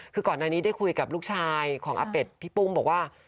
คือก่อนหน้านี้ได้คุยกับลูกชายของอาเป็ดพี่ปุ้มบอกว่า